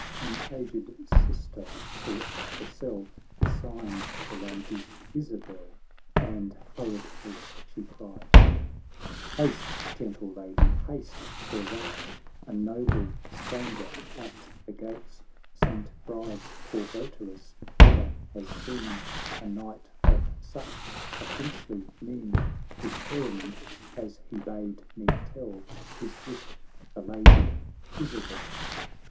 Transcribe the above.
An aged Sister sought the cell Assigned to Lady Isabel, And hurriedly she cried, " Haste, gentle Lady, haste — there waits A noble stranger at the gates ; Saint Bride's poor votaress ne'er has seen A Knight of such a princely mien ; His errand, as he bade me tell, Is with the Lady Isabel."